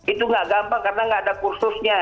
itu gak gampang karena gak ada kursusnya